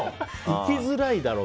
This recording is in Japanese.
生きづらいだろ。